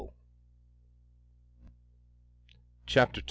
CHAPTER II.